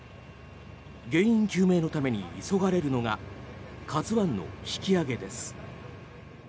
原因究明のために急がれるのが「ＫＡＺＵ１」の引き揚げです。